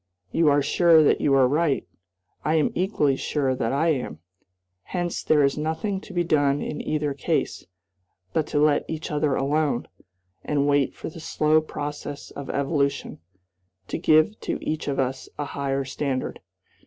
You are sure that you are right. I am equally sure that I am. Hence there is nothing to be done in either case but to let each other alone, and wait for the slow process of evolution to give to each of us a higher standard."